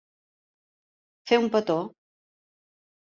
Fer un petó.